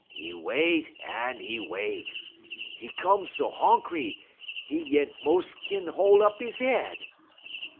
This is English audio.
'E wait en 'e wait. 'E 'come so honkry 'e yent mos' kin hol' up 'e head.